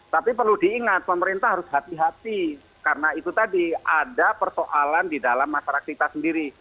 tapi perlu diingat pemerintah harus hati hati karena itu tadi ada persoalan di dalam masyarakat kita sendiri